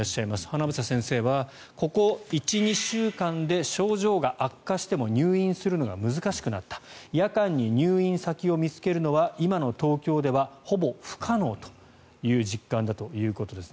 英先生は、ここ１２週間で症状が悪化しても入院するのが難しくなった夜間に入院先を見つけるのは今の東京ではほぼ不可能という実感だということです。